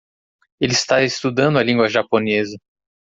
Ele está estudando a língua Japonesa.